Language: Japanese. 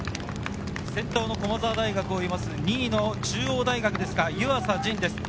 先頭の駒澤大学を追う、２位の中央大学・湯浅仁です。